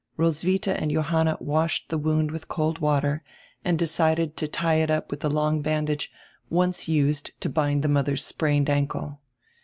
Roswitha and Johanna washed the wound with cold water and decided to tie it up with the long band age once used to bind the mother's sprained ankle.